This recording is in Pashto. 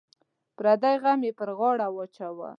پردی غم یې پر غاړه واچوه.